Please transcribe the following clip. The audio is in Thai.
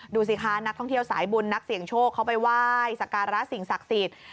ดูสิคะนักท่องเที่ยวสายบุญนักเสี่ยงโชคเขาไปไหว้สการะสิ่งศักดิ์สิทธิ์